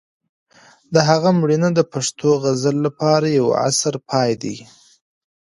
د هغه مړینه د پښتو غزل لپاره د یو عصر پای و.